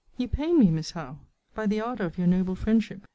You pain me, Miss Howe, by the ardour of your noble friendship.